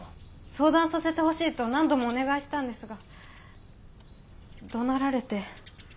相談させてほしいと何度もお願いしたんですがどなられて。